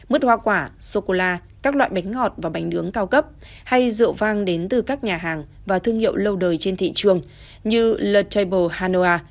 mứt hoa quả sô cô la các loại bánh ngọt và bánh nướng cao cấp hay rượu vang đến từ các nhà hàng và thương hiệu lâu đời trên thị trường như led traible hanoa